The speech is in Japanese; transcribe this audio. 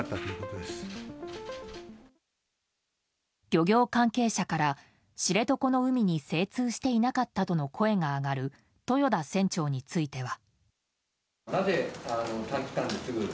漁業関係者から、知床の海に精通していなかったとの声が上がる豊田船長については。